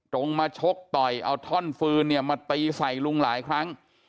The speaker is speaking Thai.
ตรงมาชกต่อยเอาท่อนฟืนเนี่ยมาตีใส่ลุงหลายครั้ง